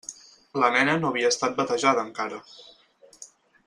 La nena no havia estat batejada encara.